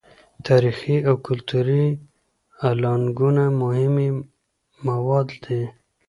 تاریخي او کلتوري الانګونه مهمې مواد دي.